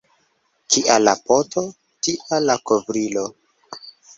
Kia la poto, tia la kovrilo.